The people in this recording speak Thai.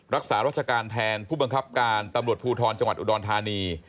รักษารัชการแทนผู้บังคับการตำรวจภูทรจังหวัดอุดรธานี